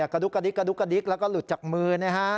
กระดุกกระดิกแล้วก็หลุดจากมือนะครับ